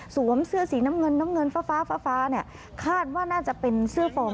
สวมเสื้อสีน้ำเงินฟ้าคาดว่าน่าจะเป็นเสื้อฟอร์ม